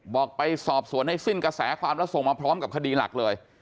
บอกไปสอบสวนให้สิ้นกระแสความแล้วส่งมาพร้อมกับคดีหลักเลย